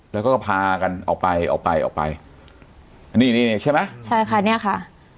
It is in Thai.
แล้วก็พากันออกไปออกไปออกไปอันนี้นี่ใช่ไหมใช่ค่ะเนี่ยค่ะ